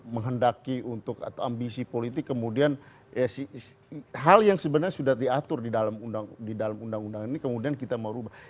menghendaki untuk atau ambisi politik kemudian hal yang sebenarnya sudah diatur di dalam undang undang ini kemudian kita mau rubah